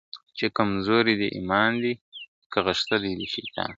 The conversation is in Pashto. چي کمزوری دي ایمان دی که غښتلی دي شیطان ..